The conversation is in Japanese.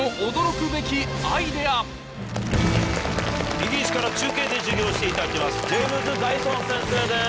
イギリスから中継で授業をしていただきますジェームズ・ダイソン先生です。